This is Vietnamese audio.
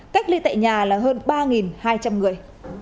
cách ly tại nhà là hơn ba hai trăm linh người